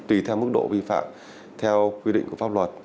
tùy theo mức độ vi phạm theo quy định của pháp luật